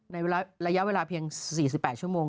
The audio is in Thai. ในระยะเวลาเพียง๔๘ชั่วโมง